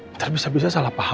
nanti bisa bisa salah paham lah